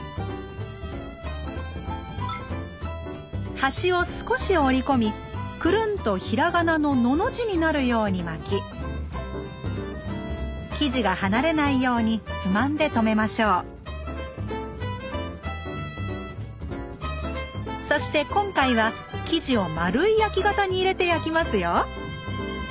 端を少し折り込みくるんと平仮名の「の」の字になるように巻き生地が離れないようにつまんでとめましょうそして今回は生地を丸い焼き型に入れて焼きますよ